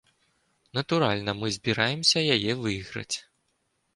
Натуральна, мы збіраемся яе выйграць.